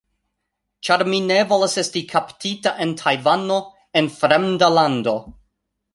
ĉar mi ne volas esti kaptita en Tajvano, en fremda lando